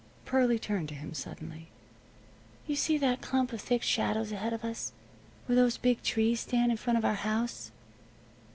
Pearlie turned to him suddenly. "You see that clump of thick shadows ahead of us, where those big trees stand in front of our house?"